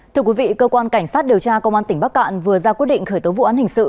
thưa quý vị cơ quan cảnh sát điều tra công an tỉnh bắc cạn vừa ra quyết định khởi tố vụ án hình sự